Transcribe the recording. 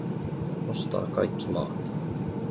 Ostaa kaikki maat.